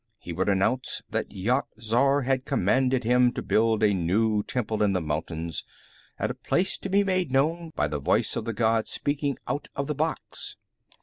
He would announce that Yat Zar had commanded him to build a new temple in the mountains, at a place to be made known by the voice of the god speaking out of the box.